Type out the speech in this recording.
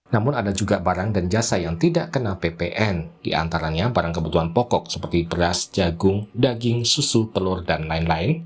namun ada juga barang dan jasa yang tidak kena ppn diantaranya barang kebutuhan pokok seperti beras jagung daging susu telur dan lain lain